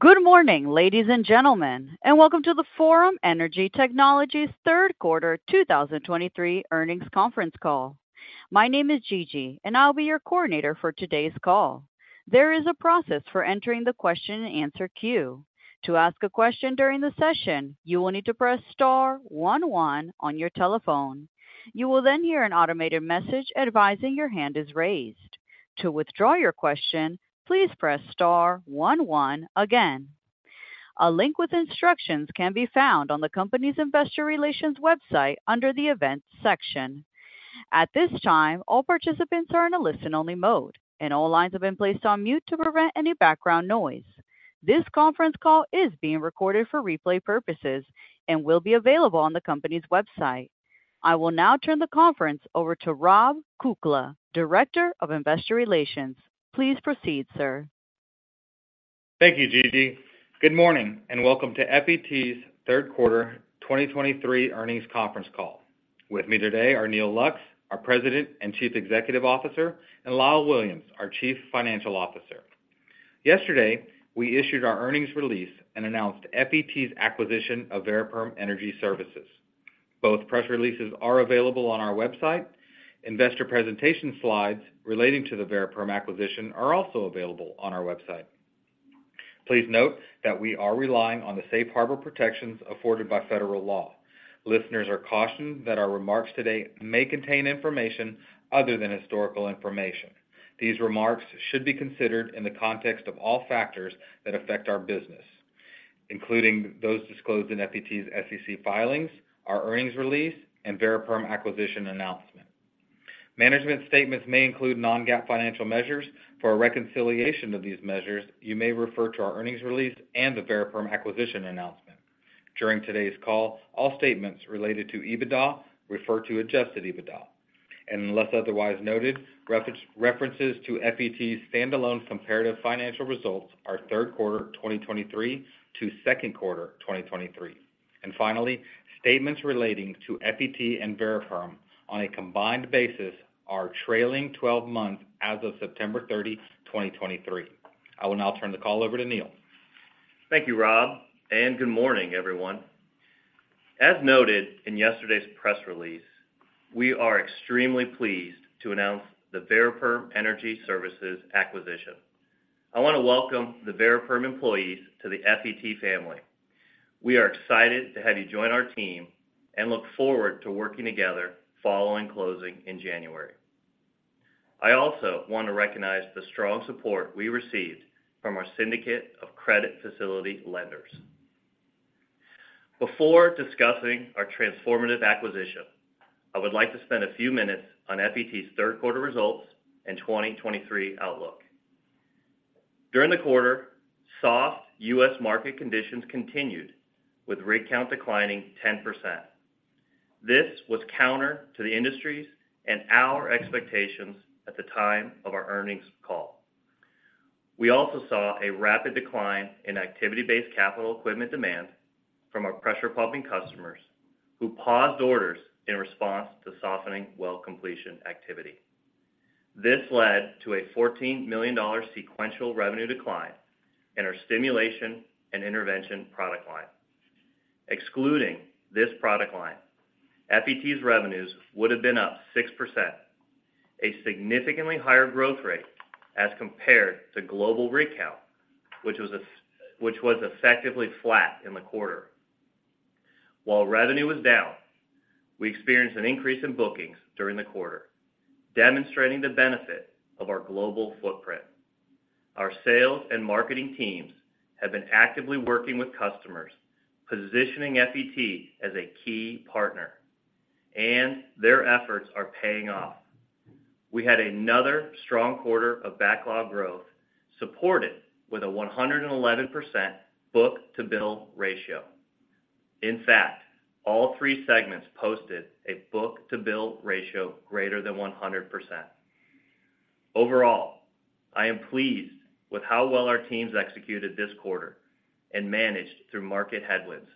Good morning, ladies and gentlemen, and welcome to the Forum Energy Technologies third quarter 2023 earnings conference call. My name is Gigi, and I'll be your coordinator for today's call. There is a process for entering the question-and-answer queue. To ask a question during the session, you will need to press star one one on your telephone. You will then hear an automated message advising your hand is raised. To withdraw your question, please press star one one again. A link with instructions can be found on the company's investor relations website under the Events section. At this time, all participants are in a listen-only mode, and all lines have been placed on mute to prevent any background noise. This conference call is being recorded for replay purposes and will be available on the company's website. I will now turn the conference over to Rob Kukla, Director of Investor Relations. Please proceed, sir. Thank you, Gigi. Good morning, and welcome to FET's third quarter 2023 earnings conference call. With me today are Neal Lux, our President and Chief Executive Officer, and Lyle Williams, our Chief Financial Officer. Yesterday, we issued our earnings release and announced FET's acquisition of Variperm Energy Services. Both press releases are available on our website. Investor presentation slides relating to the Variperm acquisition are also available on our website. Please note that we are relying on the safe harbor protections afforded by federal law. Listeners are cautioned that our remarks today may contain information other than historical information. These remarks should be considered in the context of all factors that affect our business, including those disclosed in FET's SEC filings, our earnings release, and Variperm acquisition announcement. Management statements may include non-GAAP financial measures. For a reconciliation of these measures, you may refer to our earnings release and the Variperm acquisition announcement. During today's call, all statements related to EBITDA refer to Adjusted EBITDA, and unless otherwise noted, references to FET's standalone comparative financial results are third quarter 2023 to second quarter 2023. And finally, statements relating to FET and Variperm on a combined basis are trailing twelve months as of September 30, 2023. I will now turn the call over to Neal. Thank you, Rob, and good morning, everyone. As noted in yesterday's press release, we are extremely pleased to announce the Variperm Energy Services acquisition. I want to welcome the Variperm employees to the FET family. We are excited to have you join our team and look forward to working together following closing in January. I also want to recognize the strong support we received from our syndicate of credit facility lenders. Before discussing our transformative acquisition, I would like to spend a few minutes on FET's third quarter results and 2023 outlook. During the quarter, soft U.S. Market conditions continued, with rig count declining 10%. This was counter to the industry's and our expectations at the time of our earnings call. We also saw a rapid decline in activity-based capital equipment demand from our pressure pumping customers, who paused orders in response to softening well completion activity. This led to a $14 million sequential revenue decline in our stimulation and intervention product line. Excluding this product line, FET's revenues would have been up 6%, a significantly higher growth rate as compared to global rig count, which was effectively flat in the quarter. While revenue was down, we experienced an increase in bookings during the quarter, demonstrating the benefit of our Global Footprint. Our sales and marketing teams have been actively working with customers, positioning FET as a key partner, and their efforts are paying off. We had another strong quarter of backlog growth, supported with a 111% book-to-bill ratio. In fact, all three segments posted a book-to-bill ratio greater than 100%. Overall, I am pleased with how well our teams executed this quarter and managed through market headwinds.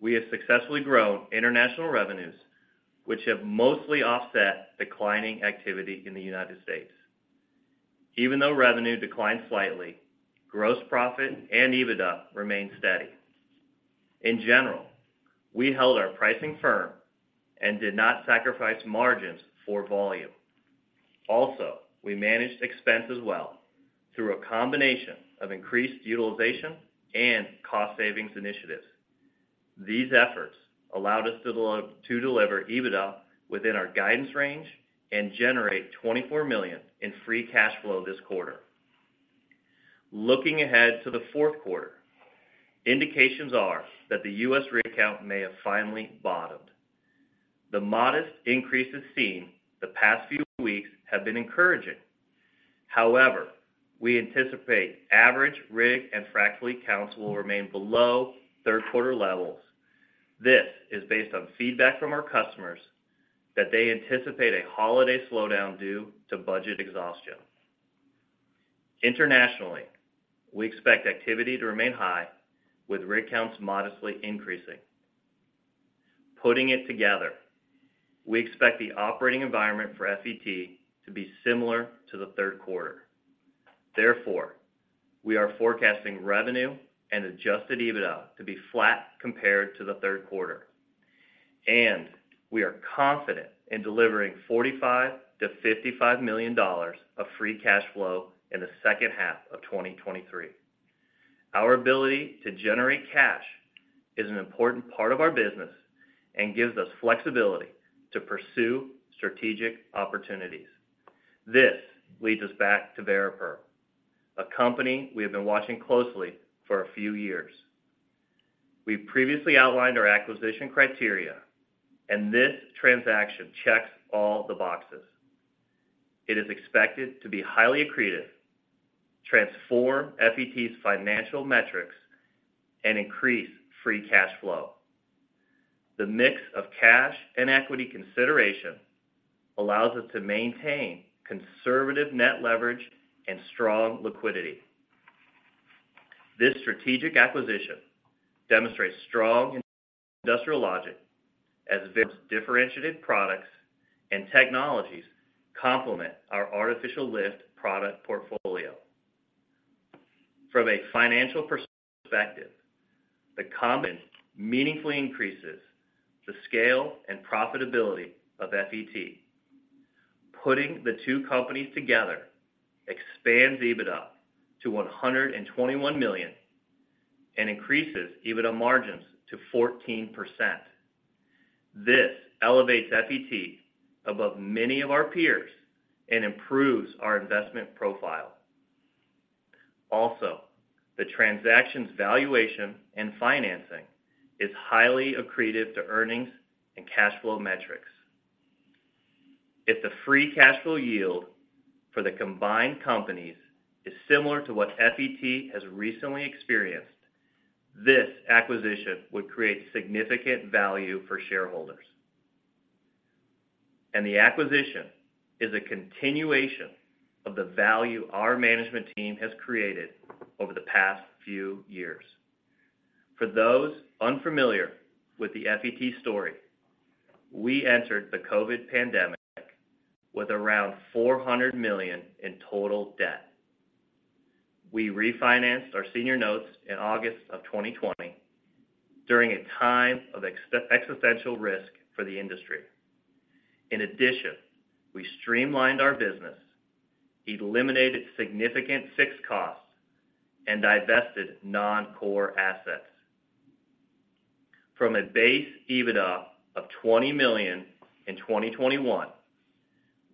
We have successfully grown international revenues, which have mostly offset declining activity in the United States. Even though revenue declined slightly, gross profit and EBITDA remained steady. In general, we held our pricing firm and did not sacrifice margins for volume. Also, we managed expenses well through a combination of increased utilization and cost savings initiatives. These efforts allowed us to deliver EBITDA within our guidance range and generate $24 million in free cash flow this quarter. Looking ahead to the fourth quarter, indications are that the U.S. rig count may have finally bottomed. The modest increases seen the past few weeks have been encouraging. However, we anticipate average rig and frac fleet counts will remain below third quarter levels. This is based on feedback from our customers that they anticipate a holiday slowdown due to budget exhaustion. Internationally, we expect activity to remain high, with rig counts modestly increasing. Putting it together, we expect the operating environment for FET to be similar to the third quarter. Therefore, we are forecasting revenue and Adjusted EBITDA to be flat compared to the third quarter, and we are confident in delivering $45 million-$55 million of free cash flow in the second half of 2023. Our ability to generate cash is an important part of our business and gives us flexibility to pursue strategic opportunities. This leads us back to Variperm, a company we have been watching closely for a few years. We've previously outlined our acquisition criteria, and this transaction checks all the boxes. It is expected to be highly accretive, transform FET's Financial Metrics, and increase free cash flow. The mix of cash and equity consideration allows us to maintain conservative net leverage and strong liquidity. This strategic acquisition demonstrates strong industrial logic as Variperm's differentiated products and technologies complement our artificial lift product portfolio. From a financial perspective, the combination meaningfully increases the scale and profitability of FET. Putting the two companies together expands EBITDA to $121 million and increases EBITDA margins to 14%. This elevates FET above many of our peers and improves our Investment profile. Also, the transaction's valuation and financing is highly accretive to earnings and cash flow metrics. If the free cash flow yield for the combined companies is similar to what FET has recently experienced, this acquisition would create significant value for Shareholders. The acquisition is a continuation of the value our management team has created over the past few years. For those unfamiliar with the FET story, we entered the COVID pandemic with around $400 million in total debt. We refinanced our senior notes in August of 2020, during a time of existential risk for the industry. In addition, we streamlined our business, eliminated significant fixed costs, and divested non-core assets. From a base EBITDA of $20 million in 2021,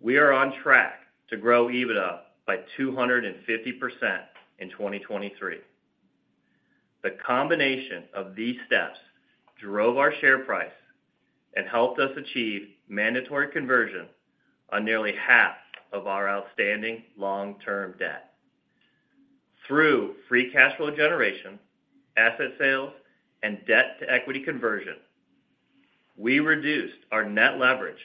we are on track to grow EBITDA by 250% in 2023. The combination of these steps drove our share price and helped us achieve mandatory conversion on nearly half of our outstanding long-term debt. Through free cash flow generation, asset sales, and debt to equity conversion, we reduced our net leverage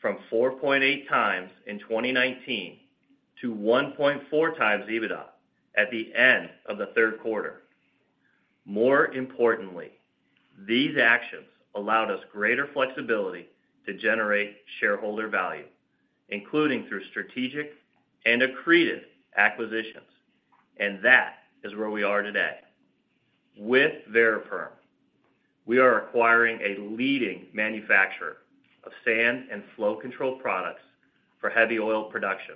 from 4.8x in 2019 to 1.4x EBITDA at the end of the third quarter. More importantly, these actions allowed us greater flexibility to generate Shareholder value, including through strategic and accretive acquisitions, and that is where we are today. With Variperm, we are acquiring a leading manufacturer of sand and flow control products for heavy oil production.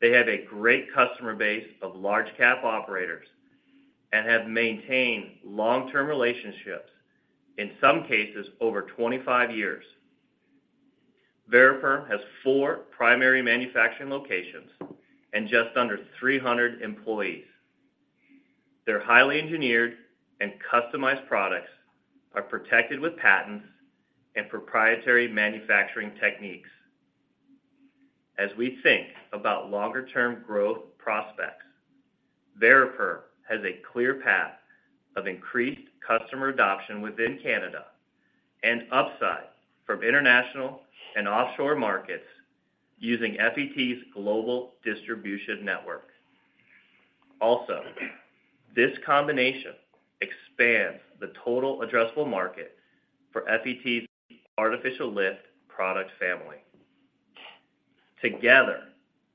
They have a great customer base of large cap operators and have maintained long-term relationships, in some cases, over 25 years. Variperm has four primary manufacturing locations and just under 300 employees. Their highly engineered and customized products are protected with patents and proprietary manufacturing techniques. As we think about longer term growth prospects, Variperm has a clear path of increased customer adoption within Canada and upside from international and offshore markets using FET's global distribution network. Also, this combination expands the total addressable market for FET's artificial lift product family. Together,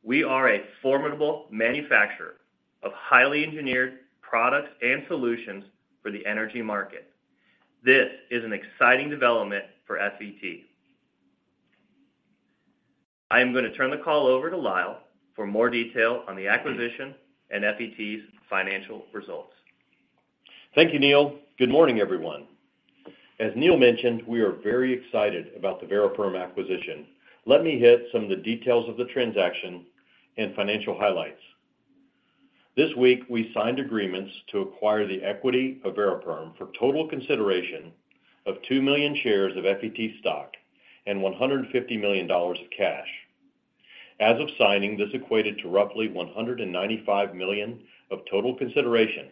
we are a formidable manufacturer of highly engineered products and solutions for the energy market. This is an exciting development for FET. I am going to turn the call over to Lyle for more detail on the acquisition and FET's financial results. Thank you, Neal. Good morning, everyone. As Neal mentioned, we are very excited about the Variperm acquisition. Let me hit some of the details of the transaction and financial highlights. This week, we signed agreements to acquire the equity of Variperm for total consideration of 2 million shares of FET stock and $150 million of cash. As of signing, this equated to roughly $195 million of total consideration,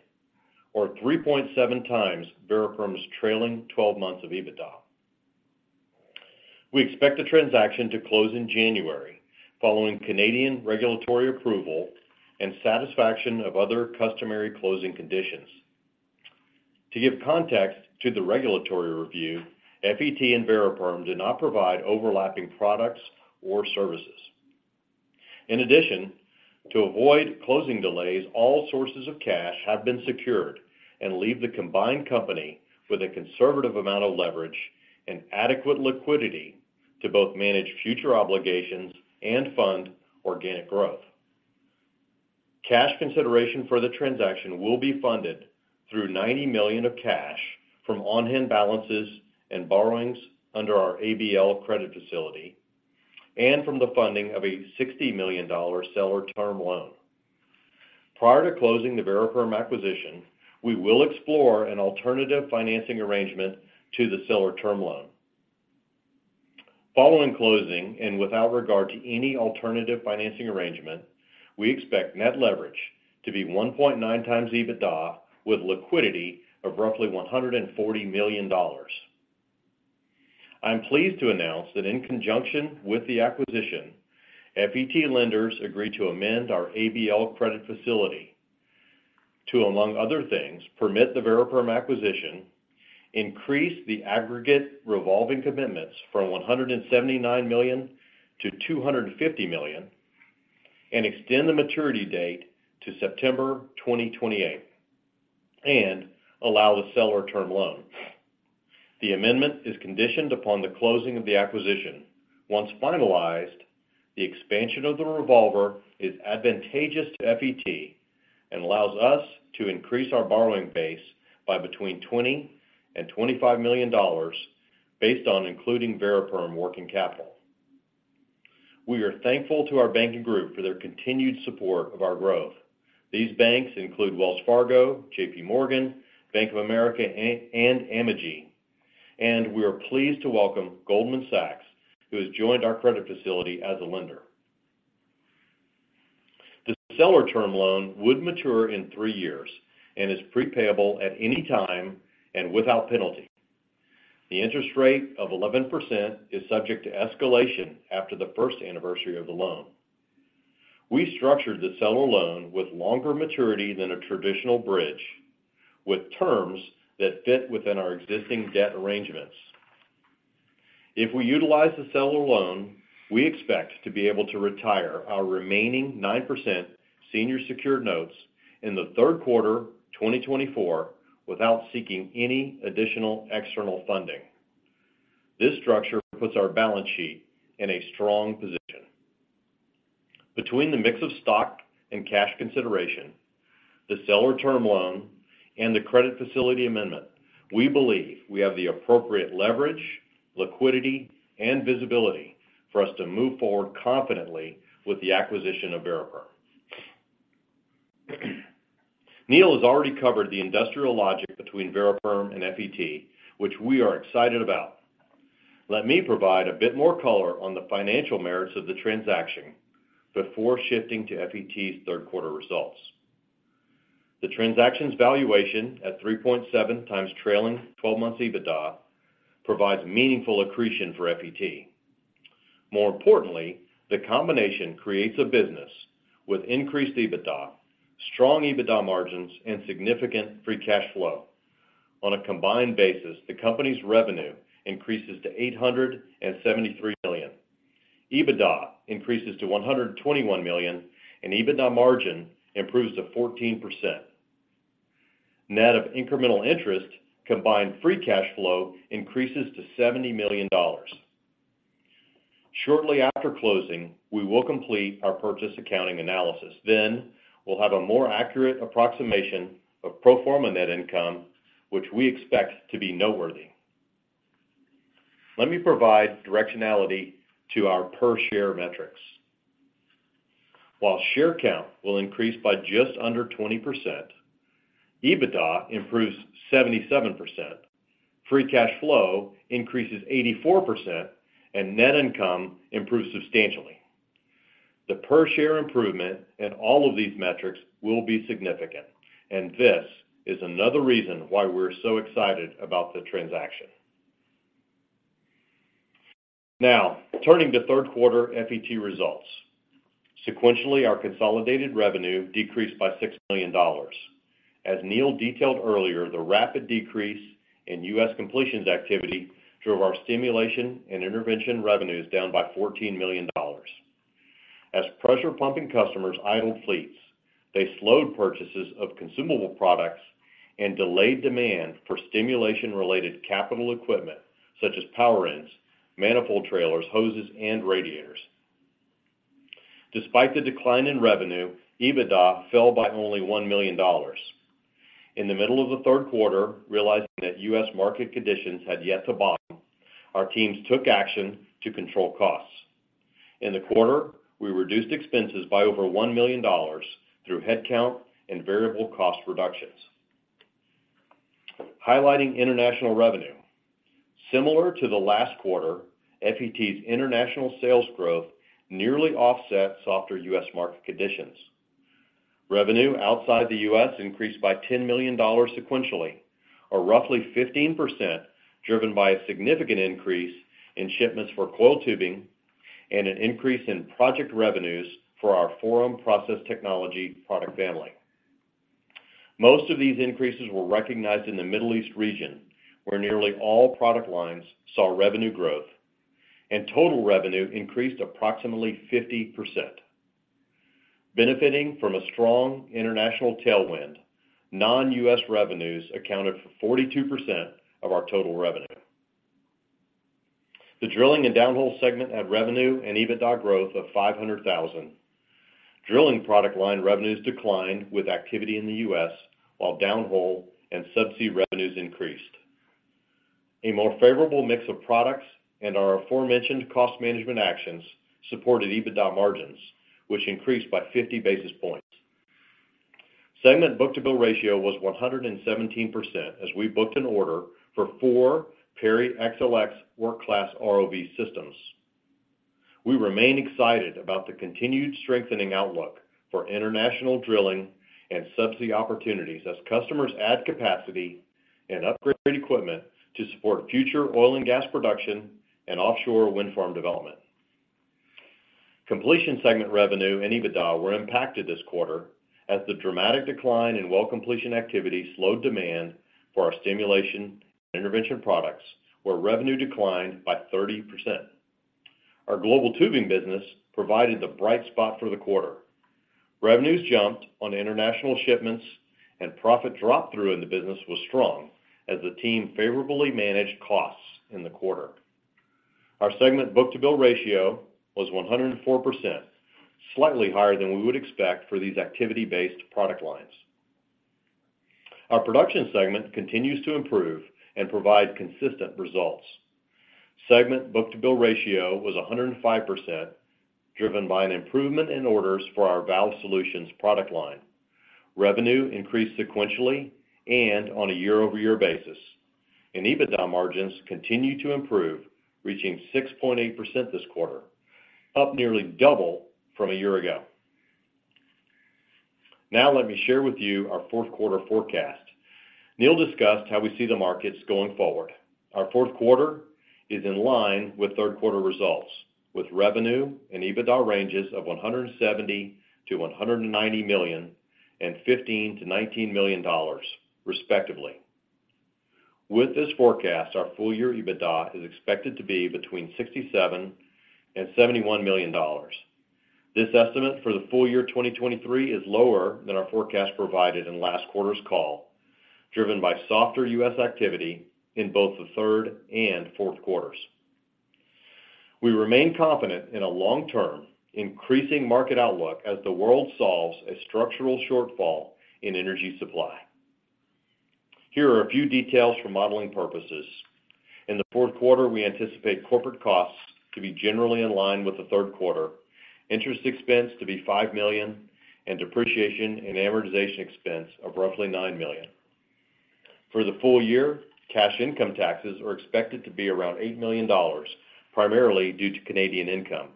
or 3.7x Variperm's trailing twelve months of EBITDA. We expect the transaction to close in January, following Canadian regulatory approval and satisfaction of other customary closing conditions. To give context to the regulatory review, FET and Variperm do not provide overlapping products or services. In addition, to avoid closing delays, all sources of cash have been secured and leave the combined company with a conservative amount of leverage and adequate liquidity to both manage future obligations and fund organic growth. Cash consideration for the transaction will be funded through $90 million of cash from on-hand balances and borrowings under our ABL Credit Facility, and from the funding of a $60 million seller term loan. Prior to closing the Variperm acquisition, we will explore an alternative financing arrangement to the seller term loan. Following closing, and without regard to any alternative financing arrangement, we expect net leverage to be 1.9x EBITDA, with liquidity of roughly $140 million. I'm pleased to announce that in conjunction with the acquisition, FET lenders agreed to amend our ABL credit facility to, among other things, permit the Variperm acquisition, increase the aggregate revolving commitments from $179 million to $250 million, and extend the maturity date to September 2028, and allow the seller term loan. The amendment is conditioned upon the closing of the acquisition. Once finalized, the expansion of the revolver is advantageous to FET and allows us to increase our borrowing base by between $20 million and $25 million based on including Variperm working capital. We are thankful to our banking group for their continued support of our growth. These banks include Wells Fargo, JPMorgan, Bank of America, and Amegy, and we are pleased to welcome Goldman Sachs, who has joined our credit facility as a lender. The seller term loan would mature in three years and is pre-payable at any time and without penalty. The interest rate of 11% is subject to escalation after the first anniversary of the loan. We structured the seller loan with longer maturity than a traditional bridge, with terms that fit within our existing debt arrangements. If we utilize the seller loan, we expect to be able to retire our remaining 9% senior secured notes in the third quarter, 2024, without seeking any additional external funding. This structure puts our balance sheet in a strong position. Between the mix of stock and cash consideration, the seller term loan, and the credit facility amendment, we believe we have the appropriate leverage, liquidity, and visibility for us to move forward confidently with the acquisition of Variperm. Neal has already covered the industrial logic between Variperm and FET, which we are excited about. Let me provide a bit more color on the financial merits of the transaction before shifting to FET's third quarter results. The transaction's valuation, at 3.7x trailing twelve months EBITDA, provides meaningful accretion for FET. More importantly, the combination creates a business with increased EBITDA, strong EBITDA margins, and significant free cash flow. On a combined basis, the company's revenue increases to $873 million. EBITDA increases to $121 million, and EBITDA margin improves to 14%. Net of incremental interest, combined free cash flow increases to $70 million. Shortly after closing, we will complete our purchase accounting analysis. Then, we'll have a more accurate approximation of pro forma net income, which we expect to be noteworthy. Let me provide directionality to our per share metrics. While share count will increase by just under 20%, EBITDA improves 77%, free cash flow increases 84%, and net income improves substantially. The per share improvement in all of these metrics will be significant, and this is another reason why we're so excited about the transaction. Now, turning to third quarter FET results. Sequentially, our consolidated revenue decreased by $6 million. As Neil detailed earlier, the rapid decrease in U.S. completions activity drove our stimulation and intervention revenues down by $14 million. As pressure pumping customers idled fleets, they slowed purchases of consumable products and delayed demand for stimulation-related capital equipment, such as power ends, Manifold trailers, Hoses, and Radiators. Despite the decline in revenue, EBITDA fell by only $1 million. In the middle of the third quarter, realizing that U.S. market conditions had yet to bottom, our teams took action to control costs. In the quarter, we reduced expenses by over $1 million through headcount and variable cost reductions. Highlighting international revenue, similar to the last quarter, FET's international sales growth nearly offset softer U.S. market conditions. Revenue outside the U.S. increased by $10 million sequentially, or roughly 15%, driven by a significant increase in shipments for coiled tubing and an increase in project revenues for our Forum Process Technology product family. Most of these increases were recognized in the Middle East Region, where nearly all product lines saw revenue growth, and total revenue increased approximately 50%. Benefiting from a strong international tailwind, Non-U.S. revenues accounted for 42% of our total revenue. The drilling and downhole segment had revenue and EBITDA growth of $500,000. Drilling product line revenues declined with activity in the U.S., while downhole and subsea revenues increased. A more favorable mix of products and our aforementioned cost management actions supported EBITDA margins, which increased by 50 basis points. Segment book-to-bill ratio was 117%, as we booked an order for 4 Perry XLX work class ROV systems. We remain excited about the continued strengthening outlook for international drilling and subsea opportunities as customers add capacity and upgrade equipment to support future oil and gas production and offshore wind farm development. Completion segment revenue and EBITDA were impacted this quarter as the dramatic decline in well completion activity slowed demand for our stimulation and intervention products, where revenue declined by 30%. Our Global Tubing business provided the bright spot for the quarter. Revenues jumped on international shipments, and profit drop-through in the business was strong as the team favorably managed costs in the quarter. Our segment book-to-bill ratio was 104%, slightly higher than we would expect for these activity-based product lines. Our production segment continues to improve and provide consistent results. Segment book-to-bill ratio was 105%, driven by an improvement in orders for our valve solutions product line. Revenue increased sequentially and on a year-over-year basis, and EBITDA margins continued to improve, reaching 6.8% this quarter, up nearly double from a year ago. Now let me share with you our fourth quarter forecast. Neal discussed how we see the markets going forward. Our fourth quarter is in line with third quarter results, with revenue and EBITDA ranges of $170 million-$190 million and $15 million-$19 million, respectively. With this forecast, our full-year EBITDA is expected to be between $67 million and $71 million. This estimate for the full year 2023 is lower than our forecast provided in last quarter's call, driven by softer U.S. activity in both the third and fourth quarters. We remain confident in a long-term, increasing market outlook as the world solves a structural shortfall in energy supply. Here are a few details for modeling purposes. In the fourth quarter, we anticipate corporate costs to be generally in line with the third quarter, interest expense to be $5 million, and depreciation and amortization expense of roughly $9 million. For the full year, cash income taxes are expected to be around $8 million, primarily due to Canadian income.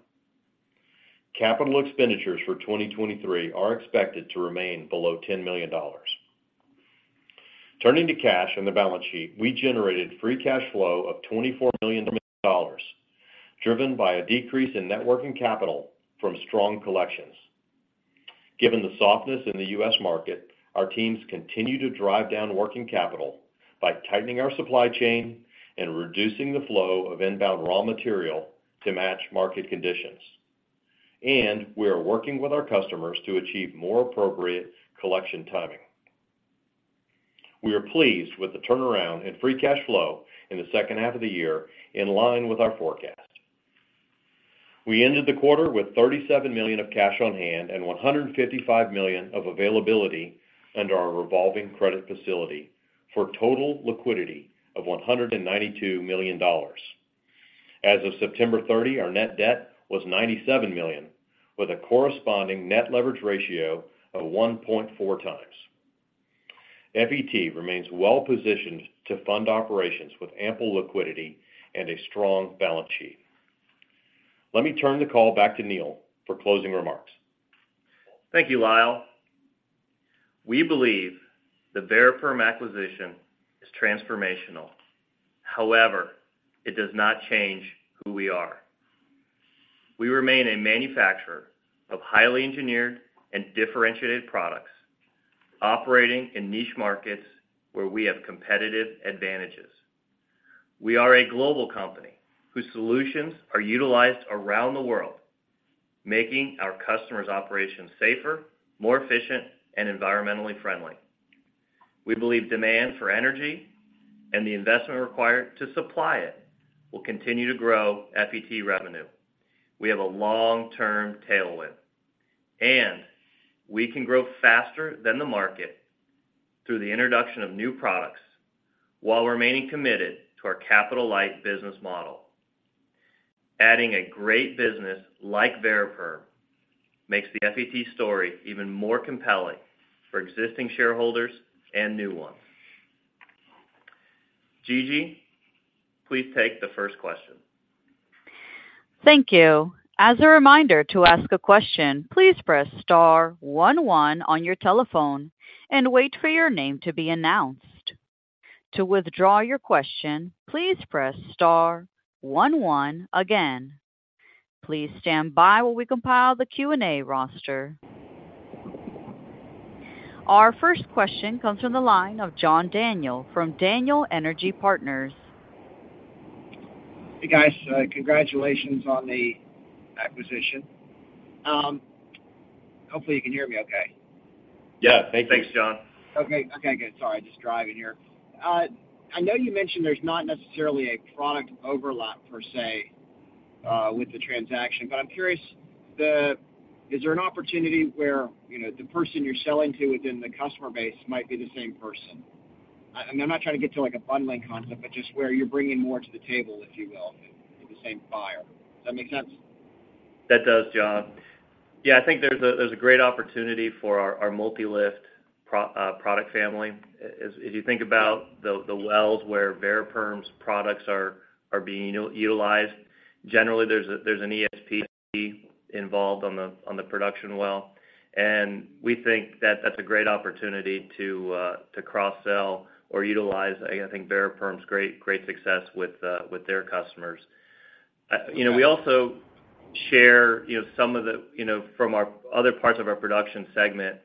Capital expenditures for 2023 are expected to remain below $10 million. Turning to cash and the balance sheet, we generated free cash flow of $24 million, driven by a decrease in net working capital from strong collections. Given the softness in the U.S. market, our teams continue to drive down working capital by tightening our supply chain and reducing the flow of inbound raw material to match market conditions. We are working with our customers to achieve more appropriate collection timing. We are pleased with the turnaround in free cash flow in the second half of the year, in line with our forecast. We ended the quarter with $37 million of cash on hand and $155 million of availability under our revolving credit facility for total liquidity of $192 million. As of September 30, our net debt was $97 million, with a corresponding net leverage ratio of 1.4x. FET remains well positioned to fund operations with ample liquidity and a strong balance sheet. Let me turn the call back to Neil for closing remarks. Thank you, Lyle. We believe the Variperm acquisition is transformational. However, it does not change who we are. We remain a manufacturer of highly engineered and differentiated products, operating in niche markets where we have competitive advantages. We are a global company whose solutions are utilized around the world, making our customers' operations safer, more efficient, and environmentally friendly. We believe demand for energy and the investment required to supply it will continue to grow FET revenue. We have a long-term tailwind, and we can grow faster than the market through the introduction of new products while remaining committed to our capital-light business model. Adding a great business like Variperm makes the FET story even more compelling for existing Shareholders and new ones. Gigi, please take the first question. Thank you. As a reminder, to ask a question, please press star one one on your telephone and wait for your name to be announced. To withdraw your question, please press star one one again. Please stand by while we compile the Q&A roster. Our first question comes from the line of John Daniel from Daniel Energy Partners. Hey, guys, congratulations on the acquisition. Hopefully, you can hear me okay. Yeah. Hey, thanks, John. Okay. Okay, good. Sorry, just driving here. I know you mentioned there's not necessarily a product overlap per se with the transaction, but I'm curious, is there an opportunity where, you know, the person you're selling to within the customer base might be the same person? I'm not trying to get to, like, a bundling concept, but just where you're bringing more to the table, if you will, to the same buyer. Does that make sense? That does, John. Yeah, I think there's a great opportunity for our MultiLift pro product family. As you think about the wells where Variperm's products are being utilized, generally, there's an ESP involved on the production well, and we think that that's a great opportunity to cross-sell or utilize, I think, Variperm's great success with their customers. You know, we also share, you know, some of the, you know, from our other parts of our production segment,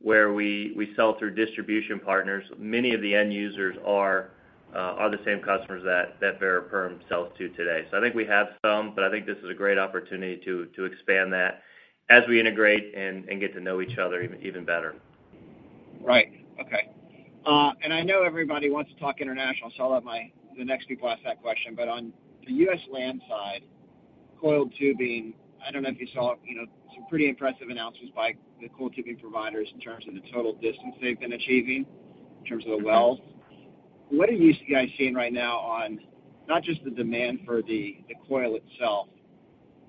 where we sell through distribution partners. Many of the end users are the same customers that Variperm sells to today. So I think we have some, but I think this is a great opportunity to expand that as we integrate and get to know each other even better. Right. Okay, and I know everybody wants to talk international, so I'll let my... the next people ask that question. But on the U.S. land side, coiled tubing, I don't know if you saw, you know, some pretty impressive announcements by the coiled tubing providers in terms of the total distance they've been achieving in terms of the wells. What are you guys seeing right now on, not just the demand for the, the coil itself,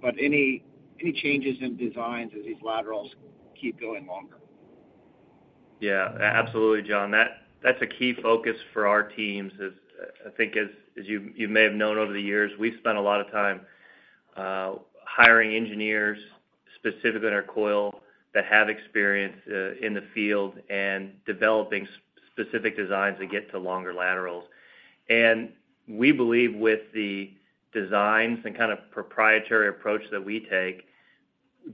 but any, any changes in designs as these laterals keep going longer? Yeah, absolutely, John. That's a key focus for our teams. As I think you may have known over the years, we've spent a lot of time hiring engineers specific in our coil that have experience in the field and developing specific designs that get to longer laterals. And we believe with the designs and kind of proprietary approach that we take,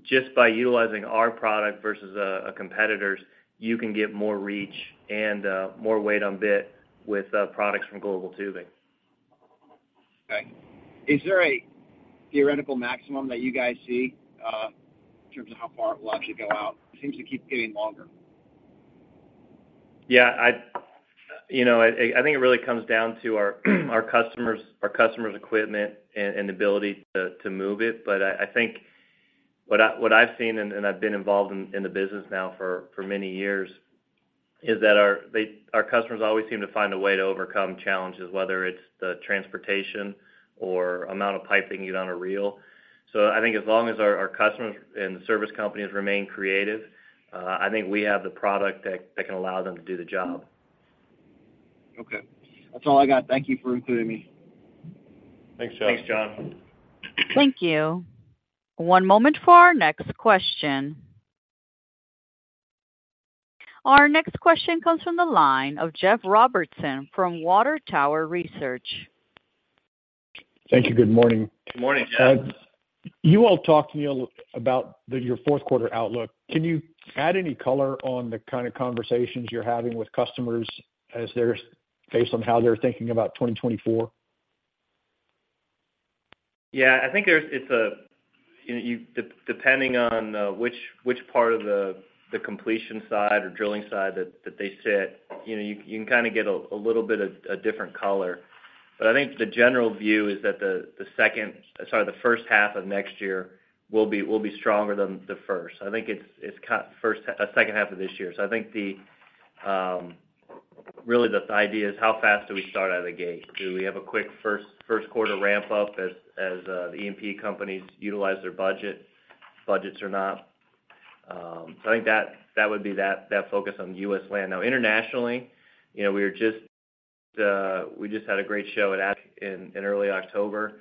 just by utilizing our product versus a competitor's, you can get more reach and more weight on bit with products from Global Tubing. Okay. Is there a theoretical maximum that you guys see, in terms of how far it will actually go out? It seems to keep getting longer. Yeah, you know, I think it really comes down to our customers' equipment and the ability to move it. But I think what I've seen, and I've been involved in the business now for many years, is that our customers always seem to find a way to overcome challenges, whether it's the transportation or amount of pipe they can get on a reel. So I think as long as our customers and the service companies remain creative, I think we have the product that can allow them to do the job. Okay. That's all I got. Thank you for including me. Thanks, John. Thank you. One moment for our next question. Our next question comes from the line of Jeff Robertson from Water Tower Research. Thank you. Good morning. Good morning, Jeff. You all talked to me a little about your fourth quarter outlook. Can you add any color on the kind of conversations you're having with customers as they're based on how they're thinking about 2024? Yeah, I think there's it's a, depending on which part of the completion side or drilling side that they sit, you know, you can kinda get a little bit of a different color. But I think the general view is that the second, sorry, the first half of next year will be stronger than the first. I think it's kind first, second half of this year. So I think really the idea is how fast do we start out of the gate? Do we have a quick first quarter ramp-up as the E&P companies utilize their budgets or not? So I think that would be that focus on U.S. land. Now, internationally, you know, we just had a great show in early October,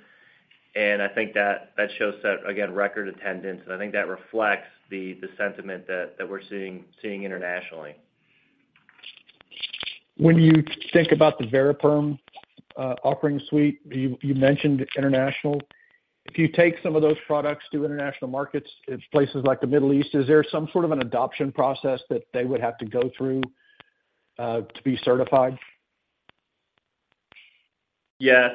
and I think that show set, again, record attendance, and I think that reflects the sentiment that we're seeing internationally. When you think about the Variperm offering suite, you mentioned International. If you take some of those products to international markets, in places like the Middle East, is there some sort of an adoption process that they would have to go through to be certified? Yes,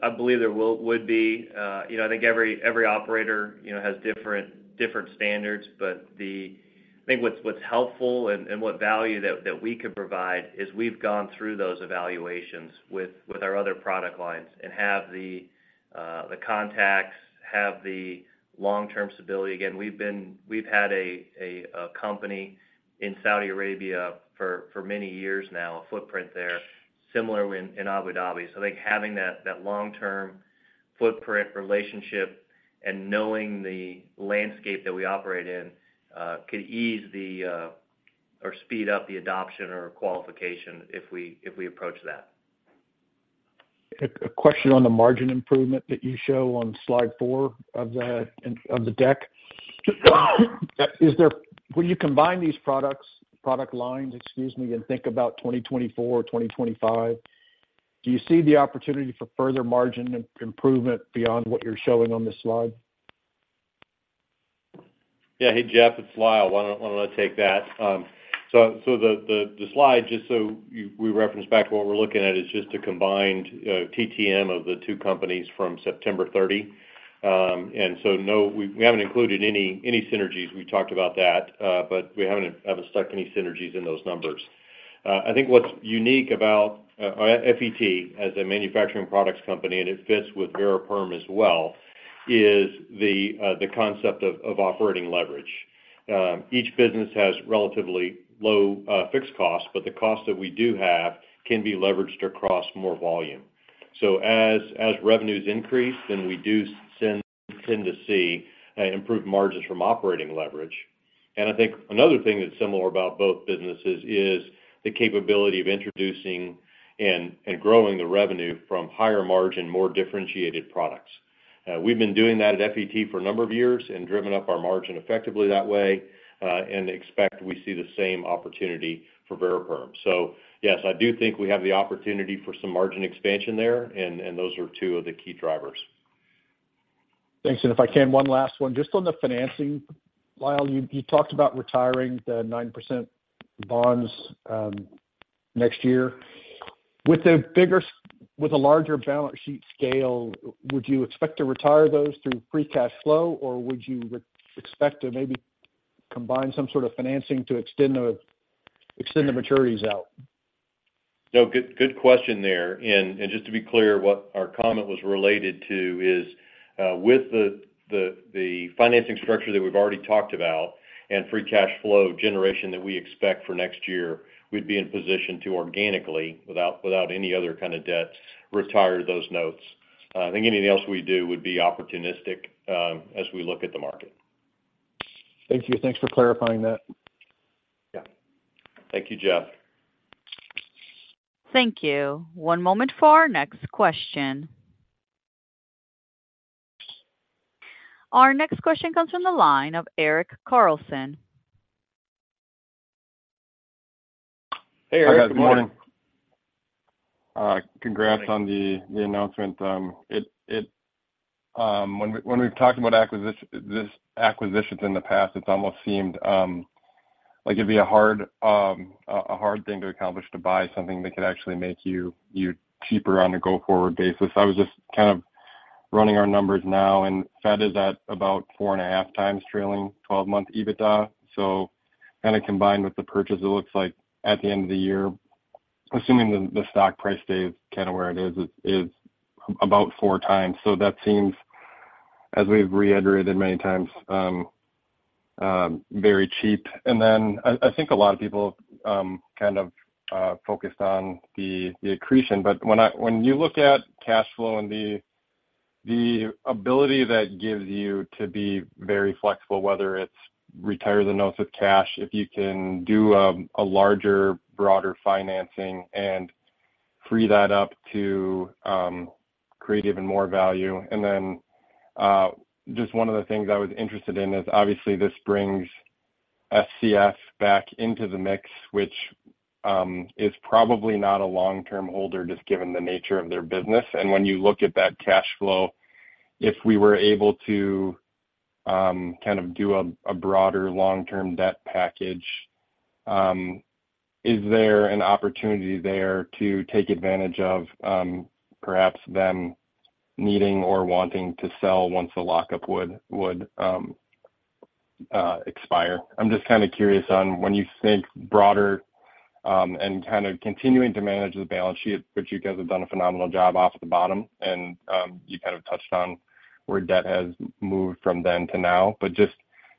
I believe there would be. You know, I think every operator has different standards, but the... I think what's helpful and what value that we could provide is we've gone through those evaluations with our other product lines and have the contacts, have the long-term stability. Again, we've been. We've had a company in Saudi Arabia for many years now, a footprint there, similarly in Abu Dhabi. So I think having that long-term footprint, relationship, and knowing the landscape that we operate in could ease the... or speed up the adoption or qualification if we approach that. A question on the margin improvement that you show on slide four of the deck. Is there, when you combine these products, product lines, excuse me, and think about 2024 or 2025, do you see the opportunity for further margin improvement beyond what you're showing on this slide? Yeah. Hey, Jeff, it's Lyle. Why don't I take that? So the slide, just so we reference back to what we're looking at, is just a combined TTM of the two companies from September 30. And so, no, we haven't included any synergies. We've talked about that, but we haven't stuck any synergies in those numbers. I think what's unique about FET as a manufacturing products company, and it fits with Variperm as well, is the concept of operating leverage. Each business has relatively low fixed costs, but the costs that we do have can be leveraged across more volume. So as revenues increase, then we do tend to see improved margins from operating leverage. And I think another thing that's similar about both businesses is the capability of introducing and growing the revenue from higher margin, more differentiated products. We've been doing that at FET for a number of years and driven up our margin effectively that way, and expect we see the same opportunity for Variperm. So yes, I do think we have the opportunity for some margin expansion there, and those are two of the key drivers. Thanks. If I can, one last one, just on the financing. Lyle, you talked about retiring the 9% bonds next year. With a larger balance sheet scale, would you expect to retire those through free cash flow, or would you expect to maybe combine some sort of financing to extend the maturities out? No, good, good question there. And just to be clear, what our comment was related to is with the financing structure that we've already talked about and free cash flow generation that we expect for next year, we'd be in position to organically, without any other kind of debt, retire those notes. I think anything else we do would be opportunistic as we look at the market. Thank you. Thanks for clarifying that. Yeah. Thank you, Jeff. Thank you. One moment for our next question. Our next question comes from the line of Eric Carlson. Hey, Eric. Good morning. Congrats on the announcement. When we've talked about acquisitions in the past, it's almost seemed like it'd be a hard thing to accomplish, to buy something that could actually make you cheaper on a go-forward basis. I was just kind of running our numbers now, and FET is at about 4.5x trailing twelve-month EBITDA. So kind of combined with the purchase, it looks like at the end of the year, assuming the stock price stays kind of where it is, it's about 4x. So that seems, as we've reiterated many times, very cheap. And then I think a lot of people kind of focused on the accretion. But when you look at cash flow and the ability that gives you to be very flexible, whether it's retire the notes with cash, if you can do a larger, broader financing and free that up to create even more value. And then, just one of the things I was interested in is, obviously, this brings SCF back into the mix, which is probably not a long-term holder, just given the nature of their business. And when you look at that cash flow, if we were able to kind of do a broader long-term debt package, is there an opportunity there to take advantage of perhaps them needing or wanting to sell once the lockup would expire? I'm just kind of curious on when you think broader, and kind of continuing to manage the balance sheet, which you guys have done a phenomenal job off the bottom, and you kind of touched on where debt has moved from then to now. But just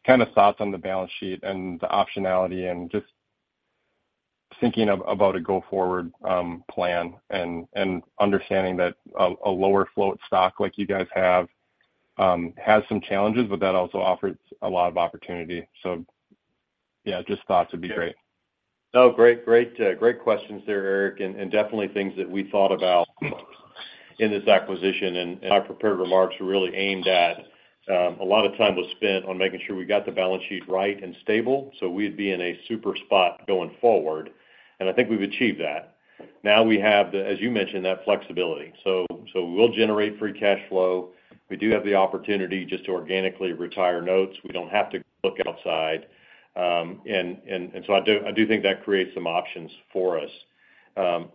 kind of thoughts on the balance sheet and the optionality and just thinking about a go-forward plan and understanding that a lower float stock, like you guys have, has some challenges, but that also offers a lot of opportunity. So yeah, just thoughts would be great. No, great, great, great questions there, Eric. And definitely things that we thought about in this acquisition, and my prepared remarks were really aimed at a lot of time was spent on making sure we got the balance sheet right and stable, so we'd be in a super spot going forward, and I think we've achieved that. Now, we have the, as you mentioned, that flexibility. So we'll generate free cash flow. We do have the opportunity just to organically retire notes. We don't have to look outside. And so I do think that creates some options for us.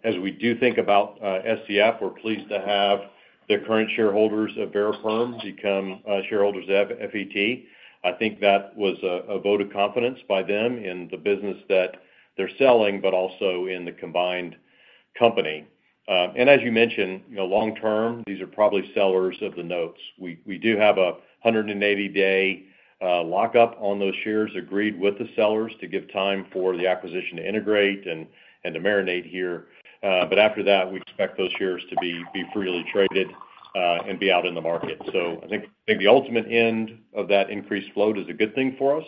As we do think about SCF, we're pleased to have the current Shareholders of Variperm become Shareholders of FET. I think that was a vote of confidence by them in the business that they're selling, but also in the combined company. And as you mentioned, you know, long term, these are probably sellers of the notes. We do have a 180-day lockup on those shares, agreed with the sellers to give time for the acquisition to integrate and to marinate here. But after that, we expect those shares to be freely traded and be out in the market. So I think the ultimate end of that increased float is a good thing for us,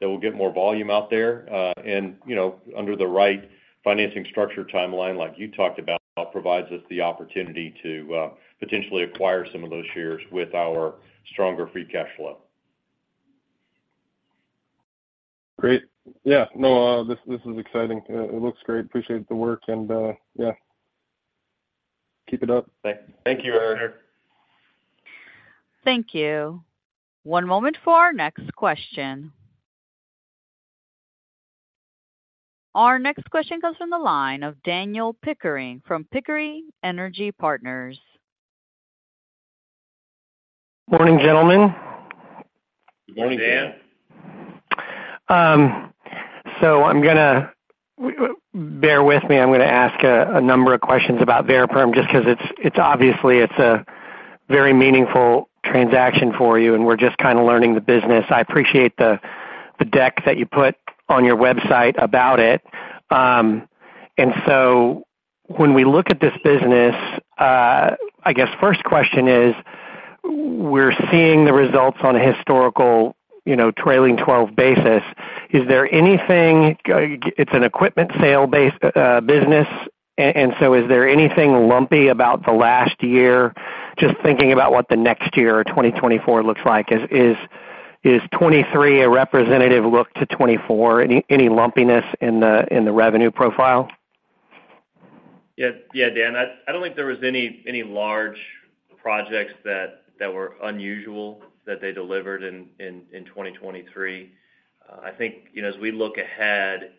that we'll get more volume out there, and, you know, under the right financing structure timeline, like you talked about, provides us the opportunity to potentially acquire some of those shares with our stronger free cash flow. Great. Yeah, no, this, this is exciting. It looks great. Appreciate the work, and, yeah, keep it up. Thank you, Eric. Thank you. One moment for our next question. Our next question comes from the line of Daniel Pickering from Pickering Energy Partners. Morning, gentlemen. Good morning, Dan. So I'm gonna bear with me, I'm gonna ask a number of questions about Variperm, just 'cause it's obviously a very meaningful transaction for you, and we're just kinda learning the business. I appreciate the deck that you put on your website about it. And so when we look at this business, I guess first question is, we're seeing the results on a historical, you know, trailing twelve basis. Is there anything, it's an equipment sale base business, and so is there anything lumpy about the last year? Just thinking about what the next year or 2024 looks like, is 2023 a representative look to 2024? Any Lumpiness in the revenue profile? Yeah, yeah, Dan, I don't think there was any large projects that were unusual that they delivered in 2023. I think, you know, as we look ahead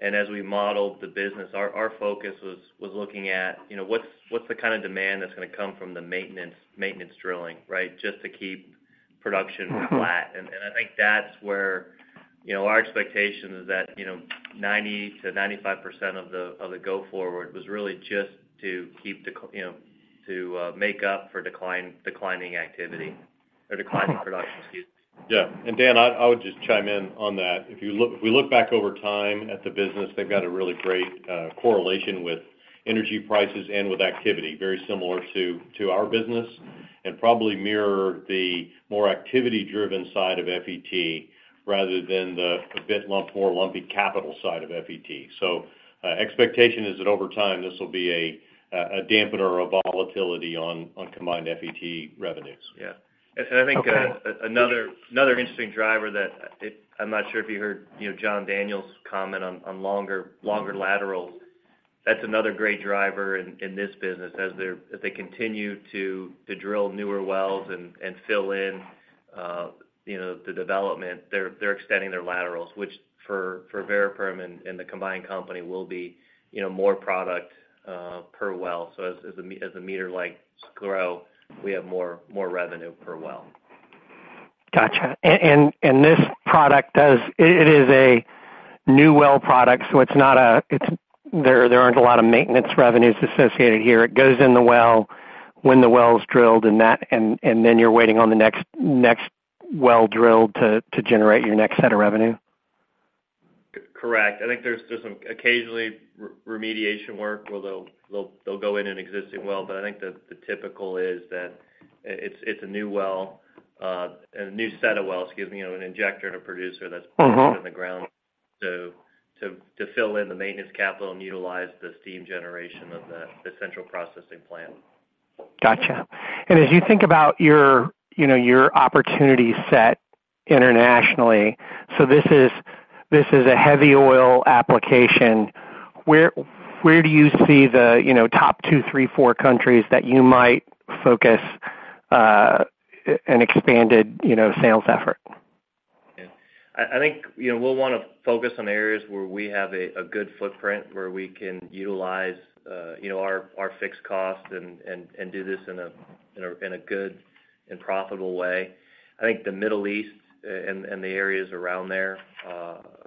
and as we modeled the business, our focus was looking at, you know, what's the kind of demand that's gonna come from the maintenance drilling, right? Just to keep production flat. Mm-hmm. And I think that's where, you know, our expectation is that, you know, 90%-95% of the go forward was really just to keep. You know, to make up for declining activity or declining production, excuse me. Yeah, and Dan, I, I would just chime in on that. If you look—if we look back over time at the business, they've got a really great correlation with energy prices and with activity, very similar to, to our business, and probably mirror the more activity-driven side of FET rather than the a bit lump, more lumpy capital side of FET. So, expectation is that over time, this will be a, a dampener or a volatility on, on combined FET revenues. Yeah. And I think another interesting driver that it... I'm not sure if you heard, you know, John Daniel's comment on longer laterals. That's another great driver in this business. As they continue to drill newer wells and fill in, you know, the development, they're extending their laterals, which for Variperm and the combined company will be, you know, more product per well. So as the meter lengths grow, we have more revenue per well. Gotcha. And this product does, it is a new well product, so it's not a, it's, there aren't a lot of maintenance revenues associated here. It goes in the well when the well is drilled, and then you're waiting on the next well drilled to generate your next set of revenue? Correct. I think there's some occasional remediation work, where they'll go in an existing well, but I think the typical is that it's a new well, a new set of wells, excuse me, you know, an injector and a producer that's- Uh-huh In the ground, so to fill in the maintenance capital and utilize the steam generation of the central processing plant. Gotcha. And as you think about your, you know, your opportunity set internationally, so this is a heavy oil application. Where, where do you see the, you know, top two, three, four countries that you might focus an expanded, you know, sales effort? Yeah. I think, you know, we'll wanna focus on areas where we have a good footprint, where we can utilize, you know, our fixed costs and do this in a good and profitable way. I think the Middle East and the areas around there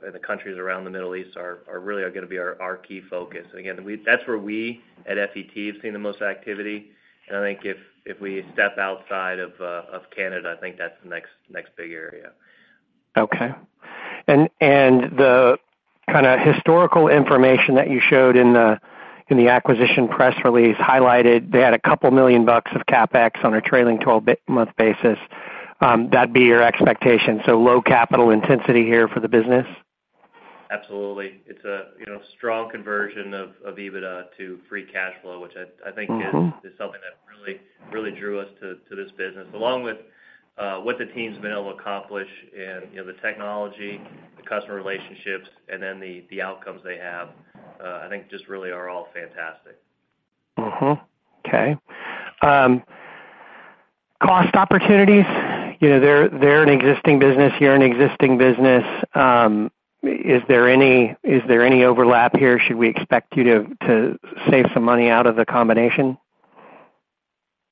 and the countries around the Middle East are really gonna be our key focus. Again, that's where we, at FET, have seen the most activity, and I think if we step outside of Canada, I think that's the next big area. Okay. And the kind a historical information that you showed in the acquisition press release highlighted they had $2 million of CapEx on a trailing twelve-month basis. That'd be your expectation, so low capital intensity here for the business? Absolutely. It's a, you know, strong conversion of EBITDA to free cash flow, which I think- Mm-hmm... is something that really, really drew us to this business, along with what the team's been able to accomplish and, you know, the technology, the customer relationships, and then the outcomes they have. I think just really are all fantastic. Mm-hmm. Okay. Cost opportunities, you know, they're an existing business, you're an existing business. Is there any overlap here? Should we expect you to save some money out of the combination?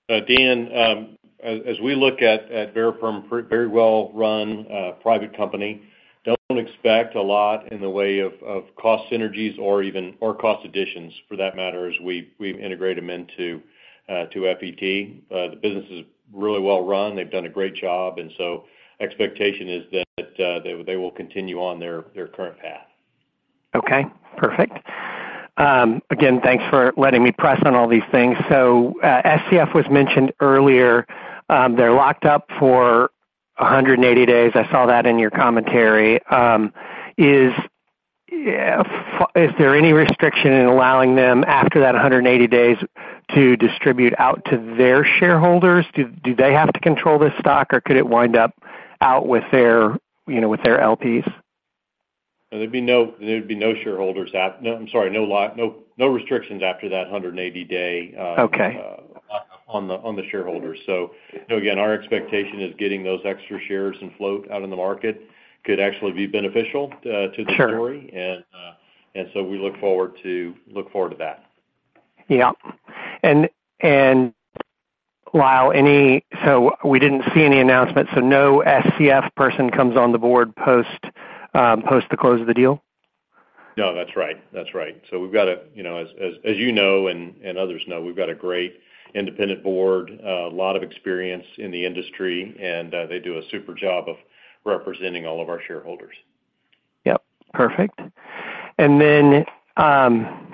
Dan, as we look at Variperm, very well-run private company, don't expect a lot in the way of cost synergies or even or cost additions, for that matter, as we integrate them into to FET. The business is really well-run. They've done a great job, and so expectation is that they will continue on their current path. Okay, perfect. Again, thanks for letting me press on all these things. So, SCF was mentioned earlier. They're locked up for 180 days. I saw that in your commentary. Is there any restriction in allowing them after that 180 days to distribute out to their Shareholders? Do they have to control this stock, or could it wind up out with their, you know, with their LPs? There'd be no, there'd be no Shareholders. No, I'm sorry, no lock, no, no restrictions after that 180-day. Okay On the Shareholders. So, again, our expectation is getting those extra shares in float out in the market could actually be beneficial to the story. Sure. And so we look forward to that. Yeah. So we didn't see any announcements, so no SCF person comes on the board post, post the close of the deal? No, that's right. That's right. So we've got a, you know, as you know, and others know, we've got a great independent board, a lot of experience in the industry, and they do a super job of representing all of our Shareholders. Yep, perfect. And then, don't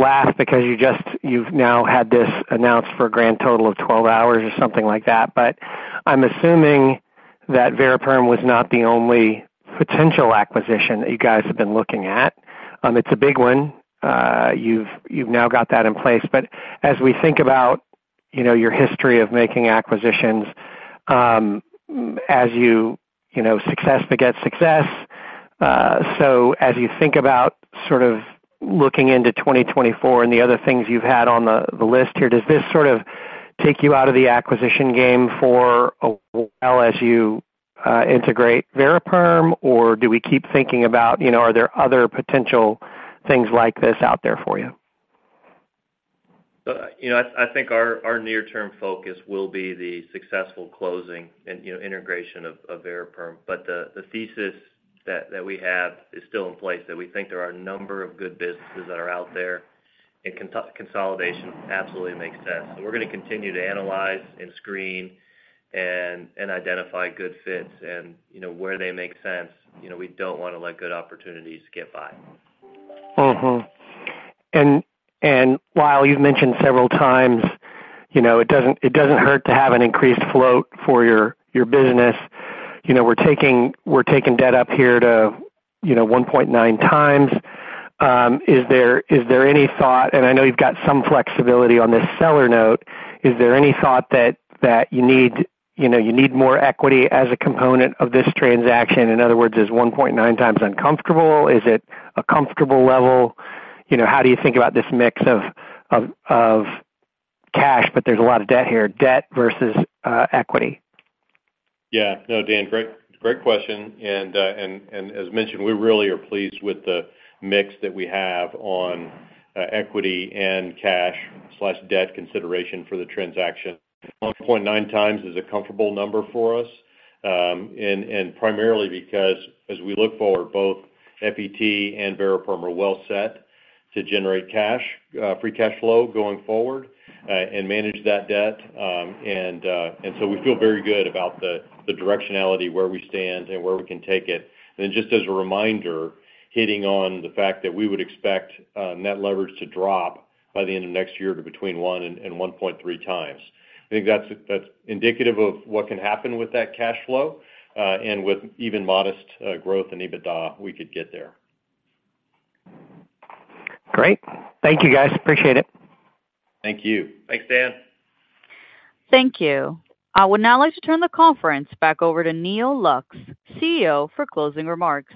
laugh, because you just, you've now had this announced for a grand total of 12 hours or something like that, but I'm assuming that Variperm was not the only potential acquisition that you guys have been looking at. It's a big one. You've, you've now got that in place. But as we think about, you know, your history of making acquisitions, as you, you know, success begets success. So as you think about sort of looking into 2024 and the other things you've had on the, the list here, does this sort of take you out of the acquisition game for a while as you, integrate Variperm? Or do we keep thinking about, you know, are there other potential things like this out there for you? You know, I think our near-term focus will be the successful closing and, you know, integration of Variperm. But the thesis that we have is still in place, that we think there are a number of good businesses that are out there, and consolidation absolutely makes sense. So we're gonna continue to analyze and screen and identify good fits and, you know, where they make sense. You know, we don't want to let good opportunities get by. Mm-hmm. And while you've mentioned several times, you know, it doesn't hurt to have an increased float for your business. You know, we're taking debt up here to, you know, 1.9x. Is there any thought, and I know you've got some flexibility on this seller note, is there any thought that you need more equity as a component of this transaction? In other words, is 1.9x uncomfortable? Is it a comfortable level? You know, how do you think about this mix of cash, but there's a lot of debt here, debt versus equity? Yeah. No, Dan, great, great question, and as mentioned, we really are pleased with the mix that we have on equity and cash/debt consideration for the transaction. 1.9 times is a comfortable number for us, and primarily because as we look forward, both FET and Variperm are well set to generate cash, free cash flow, going forward, and manage that debt. And so we feel very good about the directionality, where we stand and where we can take it. And just as a reminder, hitting on the fact that we would expect net leverage to drop by the end of next year to between 1x and 1.3x. I think that's, that's indicative of what can happen with that cash flow, and with even modest growth in EBITDA, we could get there. Great. Thank you, guys. Appreciate it. Thank you. Thanks, Dan. Thank you. I would now like to turn the conference back over to Neal Lux, CEO, for closing remarks.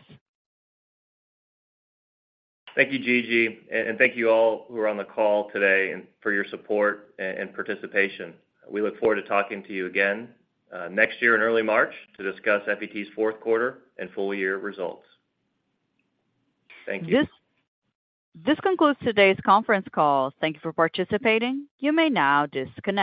Thank you, Gigi, and thank you all who are on the call today, and for your support and participation. We look forward to talking to you again next year in early March to discuss FET's fourth quarter and full year results. Thank you. This concludes today's conference call. Thank you for participating. You may now disconnect.